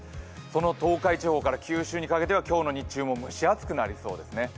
その東海地方から九州にかけては今日の日中も蒸し暑くなりそうですね。